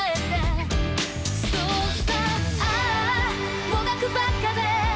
「そうさもがくばっかで」